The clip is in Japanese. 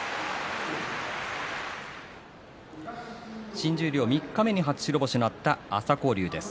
新十両三日目に初白星になった朝紅龍です。